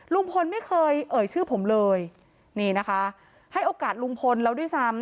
ลุงพลไม่เคยเอ่ยชื่อผมเลยนี่นะคะให้โอกาสลุงพลแล้วด้วยซ้ำ